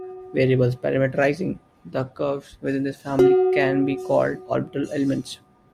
Variables parameterising the curves within this family can be called "orbital elements".